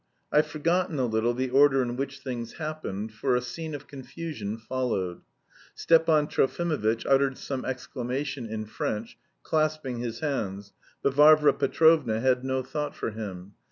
I've forgotten a little the order in which things happened, for a scene of confusion followed. Stepan Trofimovitch uttered some exclamation in French, clasping his hands, but Varvara Petrovna had no thought for him.